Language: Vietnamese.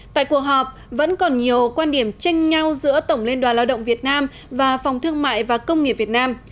tại cuộc họp vẫn còn nhiều quan điểm tranh nhau giữa tổng liên đoàn lao động việt nam và phòng thương mại và công nghiệp việt nam